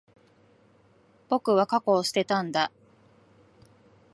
僕は、過去を捨てたんだ。